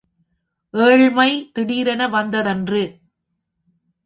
ஏழ்மை திடீரென வந்ததன்று.